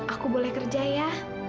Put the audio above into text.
aku boleh kerja ya